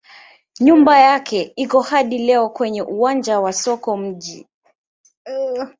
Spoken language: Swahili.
Nyumba yake iko hadi leo kwenye uwanja wa soko wa mji.